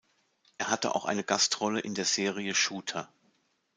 Er hatte auch eine Gastrolle in der Serie Shooter.